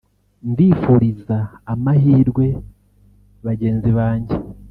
ndifuriza amahirwe bagenzi banjye